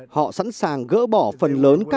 họ sẵn sàng gỡ bỏ phần lớn các cơ bản